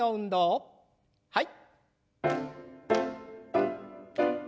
はい。